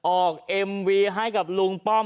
เอ็มวีให้กับลุงป้อม